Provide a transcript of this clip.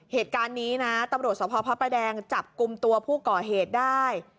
เหตุการณ์นี้นะตำรวจสภพระประแดงจับกลุ่มตัวผู้ก่อเหตุได้